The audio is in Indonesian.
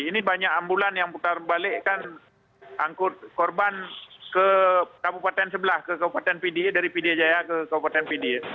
ini banyak ambulan yang putar balik kan angkut korban ke kabupaten sebelah ke kabupaten dari pidijaya ke kabupaten pidi